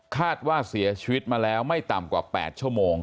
คาดว่าเสียชีวิตมาแล้วไม่ต่ำกว่า๘ชั่วโมง